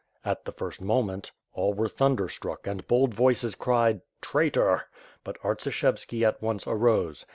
At the first moment, all were thunder struck and bold voices cried, "Traitor!" But Artsishevski at once arose.